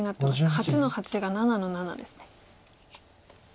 ８の八が７の七ですね。